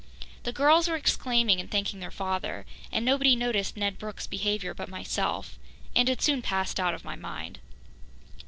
The girls were exclaiming and thanking their father, and nobody noticed Ned Brooke's behaviour but myself, and it soon passed out of my mind.